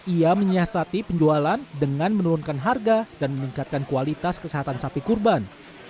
ia menyiasati penjualan dengan menurunkan harga dan meningkatkan kualitas kesehatan sapi kurban